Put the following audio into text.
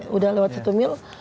sudah lewat satu mil